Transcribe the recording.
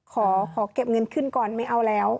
ขอเก็บเงินขึ้นก่อนไม่เอาแล้ว